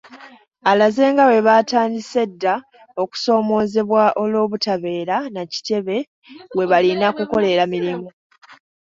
Alaze nga bwe baatandise edda okusoomoozebwa olw’obutabeera na kitebe we balina kukolera mirimu .